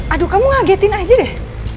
aduh kamu ngagetin aja deh